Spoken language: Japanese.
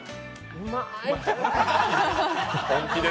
うまい。